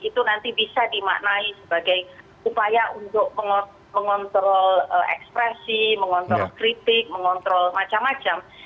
itu nanti bisa dimaknai sebagai upaya untuk mengontrol ekspresi mengontrol kritik mengontrol macam macam